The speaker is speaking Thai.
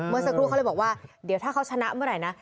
สักครู่เขาเลยบอกว่าเดี๋ยวถ้าเขาชนะเมื่อไหร่นะ